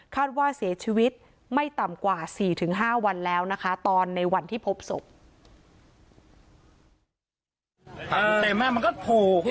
ว่าเสียชีวิตไม่ต่ำกว่า๔๕วันแล้วนะคะตอนในวันที่พบศพ